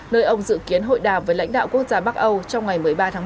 nơi ông dự kiến hội đàm với lãnh đạo quốc gia bắc âu trong ngày một mươi ba tháng một